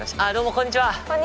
こんにちは。